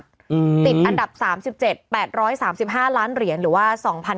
ติดอันดับ๓๗๘๓๕ล้านเหรียญหรือว่า๒๕๕๙